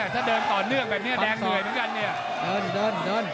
ถ้าเดินต่อเนื่องแบบนี้แดงเหนื่อยเหมือนกันเนี่ยเดินเดิน